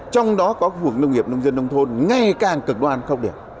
trong đó có vùng nông nghiệp nông dân nông thôn ngay càng cực đoan không được